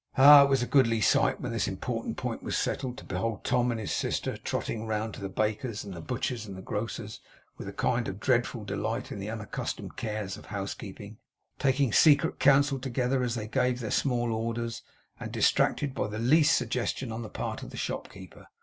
Ah! It was a goodly sight, when this important point was settled, to behold Tom and his sister trotting round to the baker's, and the butcher's, and the grocer's, with a kind of dreadful delight in the unaccustomed cares of housekeeping; taking secret counsel together as they gave their small orders, and distracted by the least suggestion on the part of the shopkeeper!